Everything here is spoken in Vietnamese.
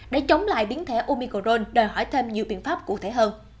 để chống lại biến thể omicron đòi hỏi thêm nhiều biện pháp cụ thể hơn